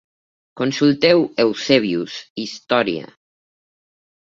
Consulteu Eusebius, Història.